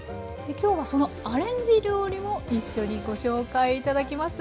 今日はそのアレンジ料理も一緒にご紹介頂きます。